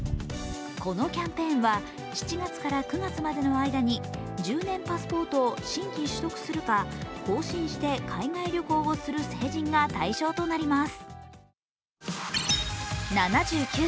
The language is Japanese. このキャンペーンは７月から９月までの間に１０年パスポートを新規取得するか、更新して海外旅行をする成人が対象となります。